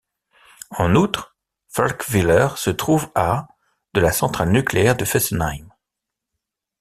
En outre, Falkwiller se trouve à de la centrale nucléaire de Fessenheim.